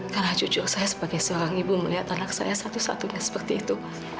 karena jujur saya sebagai seorang ibu melihat anak saya satu satunya seperti itu